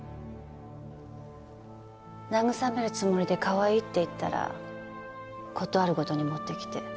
慰めるつもりでかわいいって言ったら事あるごとに持ってきて。